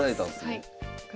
はい。